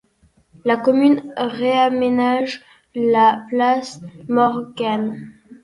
La commune réaménage la place Morgan.